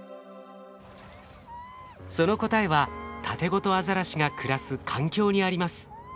その答えはタテゴトアザラシが暮らす環境にあります。